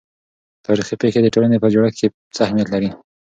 تاريخي پېښې د ټولنې په جوړښت کې څه اهمیت لري؟